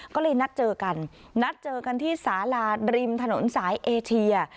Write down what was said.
ก็เลยนัดเจอกันนัดเจอกันที่สาราริมถนนสายเอเชีย